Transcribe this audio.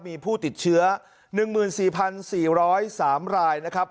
มีผู้ติดเชื้อ๑๔๔๐๓รายนะครับ